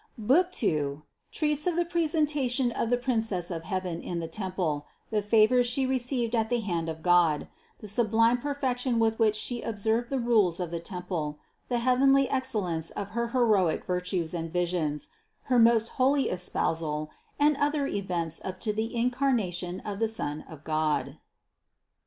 BOOK TWO Treats of the Presentation of the Princess of Heaven In the Temple, the Favors She Received at the Hand of God, the Sublime Perfection with which She Observed the Rules of the Temple, the Heavenly Excellence of Her Heroic Vir tues and Visions, Her Most Holy Espousal and other Events up to the Incarna tion of the Son of God.